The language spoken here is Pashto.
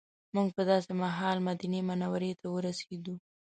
موږ په داسې مهال مدینې منورې ته ورسېدو.